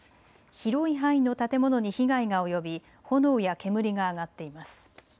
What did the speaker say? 広い範囲の建物に被害が及び炎や煙が上がっています。